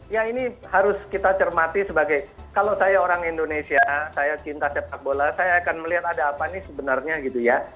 ya ini harus kita cermati sebagai kalau saya orang indonesia saya cinta sepak bola saya akan melihat ada apa nih sebenarnya gitu ya